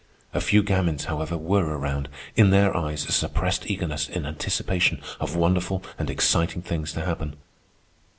A few gamins, however, were around, in their eyes a suppressed eagerness in anticipation of wonderful and exciting things to happen.